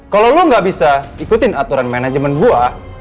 kalau lo gak bisa ikutin aturan manajemen gue